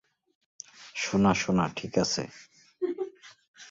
সোনা, সোনা, ঠিক আছে।